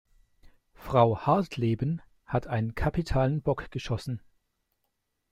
Frau Hartleben hat einen kapitalen Bock geschossen.